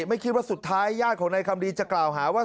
ไม่คิดว่าสุดท้ายญาติของนายคำดีจะกล่าวหาว่า